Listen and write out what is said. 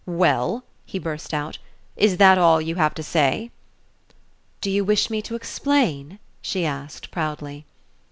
"Well?" he burst out. "Is that all you have to say?" "Do you wish me to explain?" she asked, proudly.